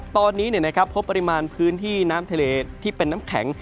ตอนนี้พบปริมาณพื้นที่น้ำทะเลที่เป็นน้ำแข็ง